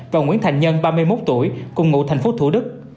và nguyễn thành nhân ba mươi một tuổi cùng ngụ thành phố thủ đức